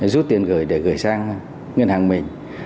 rút tiền gửi để gửi sang ngân hàng mình